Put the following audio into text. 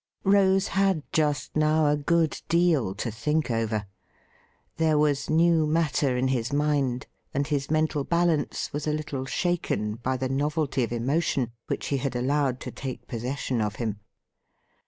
Rose had just now a good deal to think over. There was new matter in his mind, and his mental balance was a little shaken by the novelty of emotion which he had allowed to take possession of him.